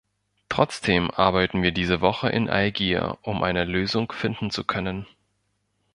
Trotzdem arbeiten wir diese Woche in Algier, um eine Lösung finden zu können.